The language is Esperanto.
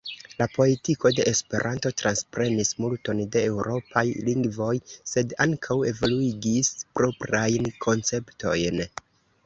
La poetiko de Esperanto transprenis multon de eŭropaj lingvoj, sed ankaŭ evoluigis proprajn konceptojn.